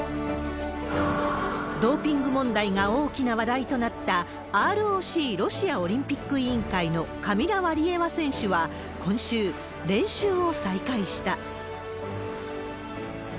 ドーピング問題が大きな話題となった、ＲＯＣ・ロシアオリンピック委員会のカミラ・ワリエワ選手は、今週、練習を再開した。